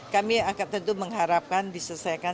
kami akan tentu mengharapkan diselesaikan